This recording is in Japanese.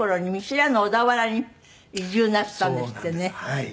はい。